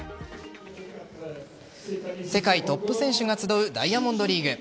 世界トップ選手が集うダイヤモンドリーグ。